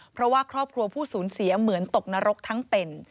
เพราะว่าครอบครัวผู้สูญเสียเหมือนตกนรกทั้งเป็น